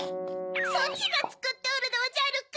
そちがつくっておるでおじゃるか？